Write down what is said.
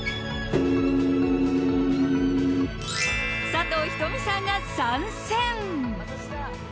佐藤仁美さんが参戦。